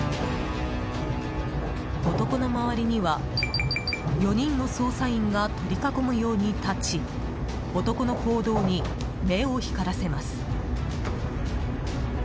男の周りには、４人の捜査員が取り囲むように立ち男の行動に目を光らせます。